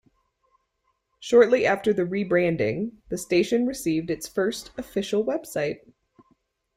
Shortly after the rebranding, the station received its first official website.